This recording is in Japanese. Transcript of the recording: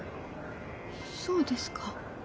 そうですか。